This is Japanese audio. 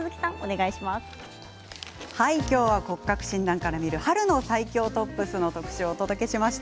今日は骨格診断から見る春の最強トップスの特集をお届けしました。